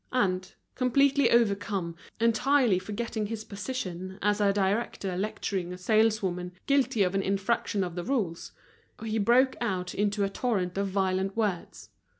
And, completely overcome, entirely forgetting his position as a director lecturing a saleswoman guilty of an infraction of the rules, he broke out into a torrent of violent words.